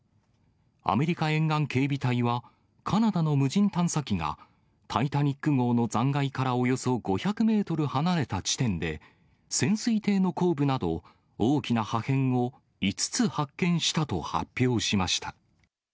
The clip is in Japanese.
アメリカ沿岸警備隊は、カナダの無人探査機がタイタニック号の残骸からおよそ５００メートル離れた地点で、潜水艇の後部など大きな破片を５つ発見したと発表しました。